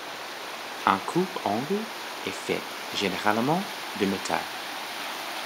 Un coupe-ongles est fait généralement de métal.